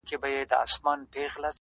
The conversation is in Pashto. په نصيب يې وې ښادۍ او نعمتونه،